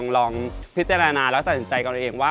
ลองพิจารณาแล้วตัดสินใจกับเราเองว่า